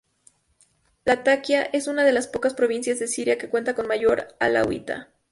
Latakia es una de las pocas provincias de Siria que cuenta con mayoría alauita.